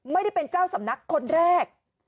ไม่ได้เป็นเจ้าสำนักคนแรก